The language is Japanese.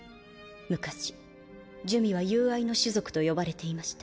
昔珠魅は友愛の種族と呼ばれていました。